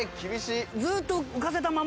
ずっと浮かせたまま？